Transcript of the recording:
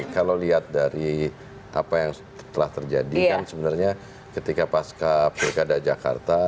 kalau lihat dari apa yang telah terjadi kan sebenarnya ketika pasca pilkada jakarta